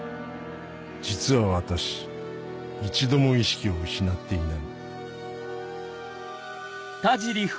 実は私一度も意識を失っていない